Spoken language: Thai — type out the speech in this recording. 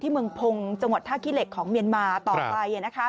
เมืองพงศ์จังหวัดท่าขี้เหล็กของเมียนมาต่อไป